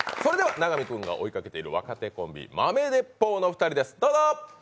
永見君が追いかけている若手コンビ、豆鉄砲の２人です。